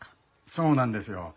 そうなんですよ。